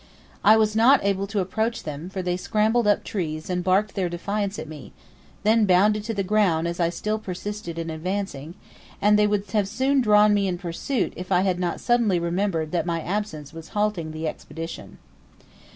I was not able to approach them, for they scrambled up trees and barked their defiance at me, then bounded to the ground as I still persisted in advancing; and they would have soon drawn me in pursuit if I had not suddenly remembered that my absence was halting the Expedition.